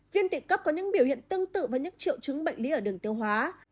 viên tụy cấp có những biểu hiện tương tự với những triệu chứng bệnh lý ở đường tiêu hóa